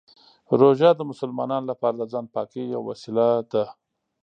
روژه د مسلمانانو لپاره د ځان پاکۍ یوه وسیله ده.